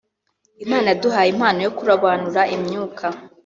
Imana yaduhaye impano yo kurobanura imyuka